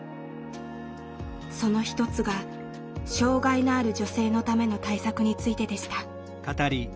その一つが「障害のある女性」のための対策についてでした。